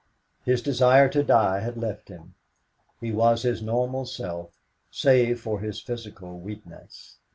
His desire to die had left him. He was his normal self, save for his physical weakness.